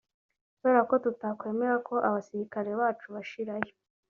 kubera ko tutakwemera ko abasirikare bacu bashirirayo”